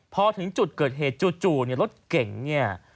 พอถึงจุดเกิดเหตุจู่เนี่ยรถเก่งเนี่ย